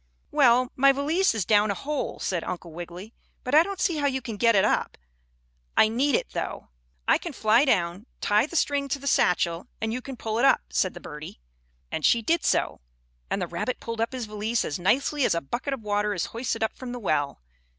"Well, my valise is down a hole," said Uncle Wiggily, "but I don't see how you can get it up. I need it, though." "I can fly down, tie the string to the satchel and you can pull it up," said the birdie. And she did so, and the rabbit pulled up his valise as nicely as a bucket of water is hoisted up from the well.